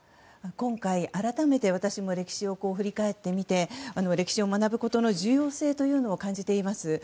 今回、改めて私も歴史を振り返ってみて歴史を学ぶことの重要性というのを感じています。